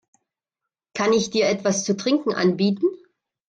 Kann ich dir etwas zu trinken anbieten?